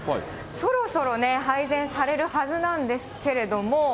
そろそろね、配膳されるはずなんですけれども。